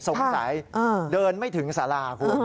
สงสัยเดินไม่ถึงสาราควร